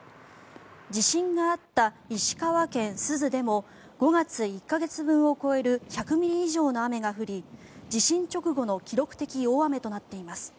地震があった石川県珠洲でも５月１か月分を超える１００ミリ以上の雨が降り地震直後の記録的大雨となっています。